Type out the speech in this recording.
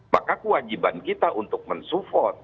maka kewajiban kita untuk mensupport